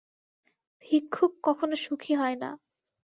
ভিক্ষুক কখনও সুখী হয় না।